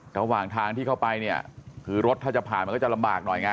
ระหว่างทางที่เข้าไปเนี่ยคือรถถ้าจะผ่านมันก็จะลำบากหน่อยไง